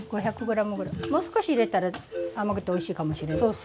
もう少し入れたら甘くておいしいかもしれない。